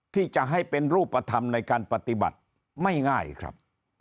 ที่จะให้เป็นรูปธรรมในการปฏิบัติไม่ง่ายครับ